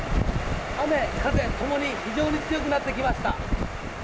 雨風共に非常に強くなってきました。